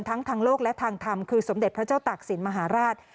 ทั้งทางโลกและทางธรรมคือสมเด็จพระเจ้าตากศิลปมหาราช